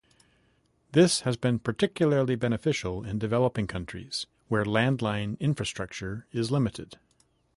This has been particularly beneficial in developing countries, where landline infrastructure is limited.